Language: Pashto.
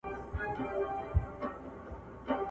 او اقتصادي بنيادونو مو راټول کړي